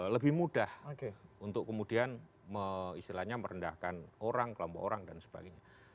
lebih mudah untuk kemudian istilahnya merendahkan orang kelompok orang dan sebagainya